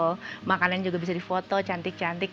terus yang instagramable makanan juga bisa difoto cantik cantik